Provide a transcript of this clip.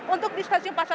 untuk di stasiun pasar senen